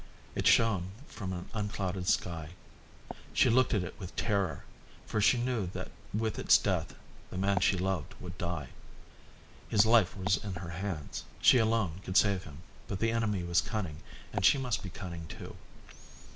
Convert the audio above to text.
It shone from an unclouded sky. She looked at it with terror, for she knew that with its death the man she loved would die. His life was in her hands. She could save him, she alone could save him, but the enemy was cunning, and she must be cunning too.